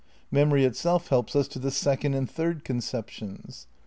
Memory itself helps us to the second and third con ceptions.